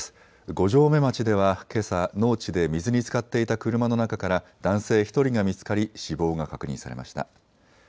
五城目町ではけさ、農地で水につかっていた車の中から男性１人が見つかり死亡が確認されました。